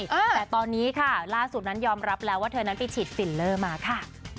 แต่ตอนนี้ค่ะล่าสุดนั้นยอมรับแล้วว่าเธอนั้นไปฉีดฟิลเลอร์มาค่ะ